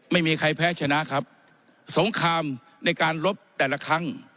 ไม่มีใครแพ้ชนะครับสงครามในการลบแต่ละครั้ง